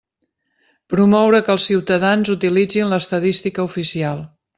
Promoure que els ciutadans utilitzin l'estadística oficial.